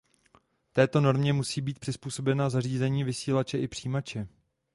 Této normě musí být přizpůsobena zařízení vysílače i přijímače.